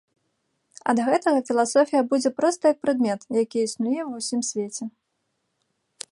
А да гэтага філасофія будзе проста як прадмет, які існуе ва ўсім свеце.